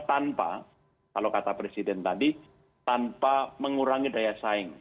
tanpa kalau kata presiden tadi tanpa mengurangi daya saing